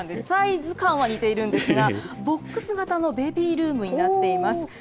サイズ感は似ているんですが、ボックス型のベビールームになっています。